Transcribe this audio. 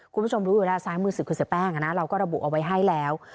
คุณผู้ชมรู้อยู่แล้วซ้ายมือศึกคือเสียแป้งเราก็ระบุเอาไว้ให้แล้ว